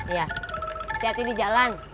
iya hati hati di jalan